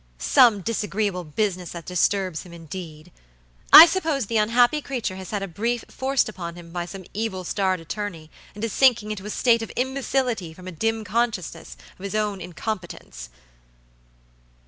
Some disagreeable business that disturbs him, indeed! I suppose the unhappy creature has had a brief forced upon him by some evil starred attorney, and is sinking into a state of imbecility from a dim consciousness of his own incompetence."